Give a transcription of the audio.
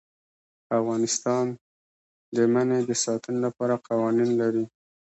افغانستان د منی د ساتنې لپاره قوانین لري.